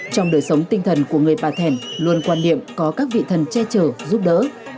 trong đời sống tinh thần của người bà thẻn luôn quan niệm có các vị thần che chở giúp đỡ